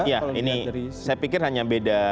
saya pikir hanya beda